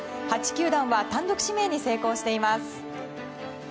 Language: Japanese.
８球団は単独指名に成功しています。